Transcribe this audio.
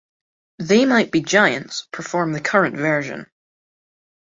They Might Be Giants perform the current version.